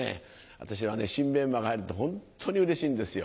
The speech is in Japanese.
私は新メンバーが入るとホントにうれしいんですよ。